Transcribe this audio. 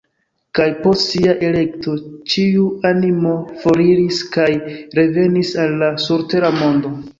Kaj post sia elekto ĉiu animo foriris kaj revenis al la surtera mondo.